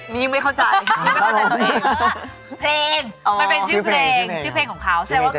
ยิ่งไม่เข้าใจ